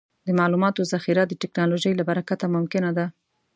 د معلوماتو ذخیره د ټکنالوجۍ له برکته ممکنه ده.